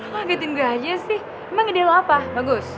lo angetin gua aja sih emang ide lo apa bagus